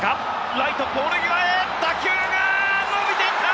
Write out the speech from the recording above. ライト、ポール際へ打球が伸びていった！